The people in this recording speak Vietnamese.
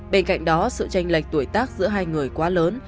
bên cạnh đó sự tranh lệch tuổi tác giữa hai người quá lớn